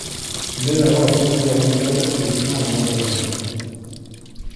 Même avant la Seconde Guerre mondiale, les trains ont d'intervalle.